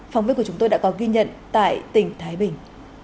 phóng viên của chúng tôi đã có ghi nhận tại tỉnh thái bình